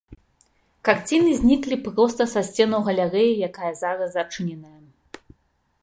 Карціны зніклі проста са сценаў галерэі, якая зараз зачыненая.